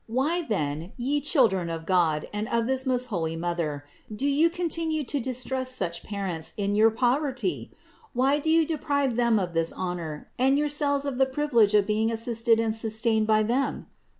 Why, then, ye children of God and of this most holy Mother, do you continue to distrust such Parents in your poverty? Why do you deprive them of this honor, and yourselves of the privilege of being assisted and sustained by Them?